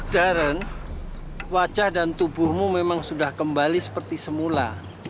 derent wajah dan tubuhmu memang sudah kembali seperti semula